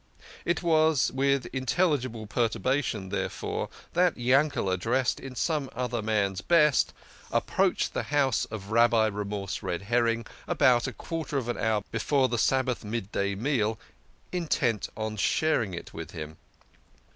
It was with intelligible perturbation, therefore, that Yankeld, dressed in some other man's best, approached the house of Rabbi Remorse Red herring about a quarter of an hour before the Sabbath mid day meal, intent on sharing it with him.